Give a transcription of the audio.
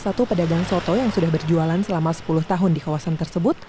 salah satu pedagang soto yang sudah berjualan selama sepuluh tahun di kawasan tersebut